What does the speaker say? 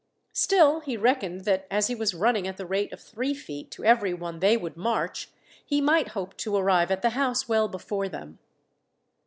Still, he reckoned that as he was running at the rate of three feet to every one they would march, he might hope to arrive at the house well before them.